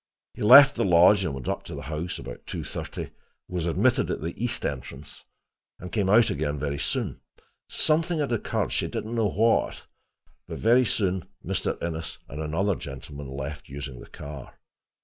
He left the lodge and went up to the house about two thirty, was admitted at the east entrance and came out again very soon. Something had occurred, she didn't know what; but very soon Mr. Innes and another gentleman left, using the car.